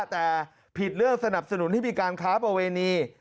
แต่ผิดเรื่องสนับสนุนให้มีการค้าประเวณี